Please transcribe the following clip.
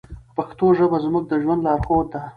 پښتو ژبه زموږ د ژوند لارښود ده.